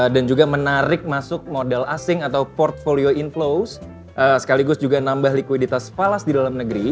dan juga menarik masuk modal asing atau portfolio inflows sekaligus juga nambah likuiditas falas di dalam negeri